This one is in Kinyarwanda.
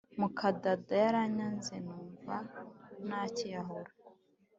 Mukadada yaranyanze numva nakiyahura